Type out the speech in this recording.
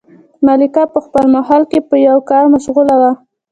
ملکه په خپل محل کې په یوه کار مشغوله وه.